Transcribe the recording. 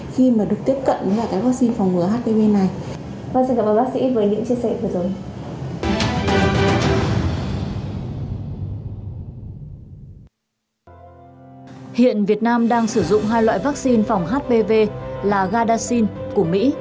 khi mà được tiếp cận với cái vaccine phòng ngừa hpv này